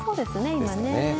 今ね。